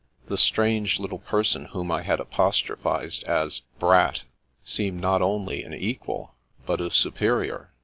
The strange little person whom I had apostrophised as " Brat " seemed not only an equal, but a superior.